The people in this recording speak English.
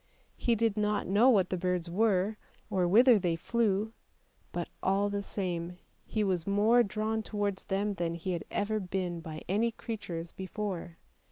He did not know what the birds were, or whither they flew, but all the same he was more drawn towards them than he had ever been by any creatures before.